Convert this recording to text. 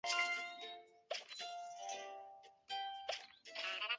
古埃及人使用竹子制作的渔梁篮子在尼罗河捕鱼。